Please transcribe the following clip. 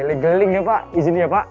geling geling ya pak izin ya pak